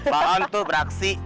baon tuh beraksi